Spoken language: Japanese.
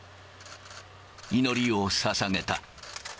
祈りをささげた。